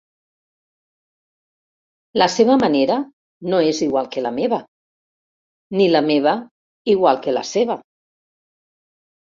La seva manera no és igual que la meva, ni la meva igual que la seva.